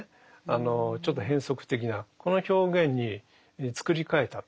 あのちょっと変則的なこの表現に作り替えた。